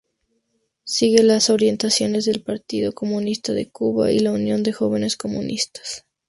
Sigue las orientaciones del Partido Comunista de Cuba y la Unión de Jóvenes Comunistas.